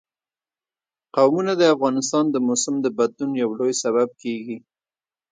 قومونه د افغانستان د موسم د بدلون یو لوی سبب کېږي.